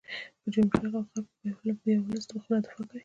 په جنوب شرق او غرب کې بیا ولس په خپله دفاع کوي.